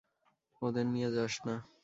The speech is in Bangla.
ওদের নিয়ে যাস না।